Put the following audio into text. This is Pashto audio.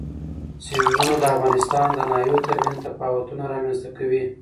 سیندونه د افغانستان د ناحیو ترمنځ تفاوتونه رامنځ ته کوي.